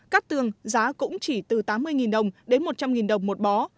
cắt tương giá cũng chỉ từ tám mươi đồng đến một trăm linh đồng một bó